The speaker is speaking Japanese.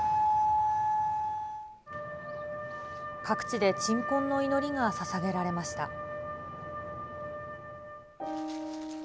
各地で鎮魂の祈りがささげられました。